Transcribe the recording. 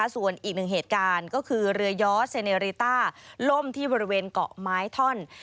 ส่วนอีกหนึ่งเหตุการณ์ก็คือเรือยอสเซเนริต้าล่มที่บริเวณเกาะไม้ท่อน